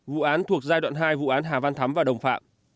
vụ án thuộc giai đoạn hai vụ án hà văn thắm và đồng phạm